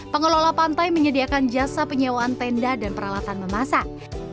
pengelola pantai menyediakan jasa penyewaan tenda dan peralatan memasak